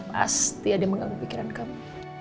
pasti ya dia mengganggu pikiran kamu